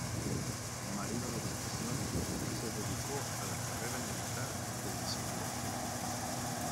Marino de profesión, se dedicó a la carrera militar desde su juventud.